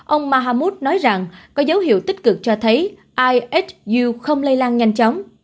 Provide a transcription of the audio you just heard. ông mahamoud nói rằng có dấu hiệu tích cực cho thấy ihu không lây lan nhanh chóng